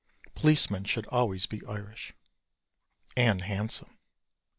Policemen should always be Irish. And handsome.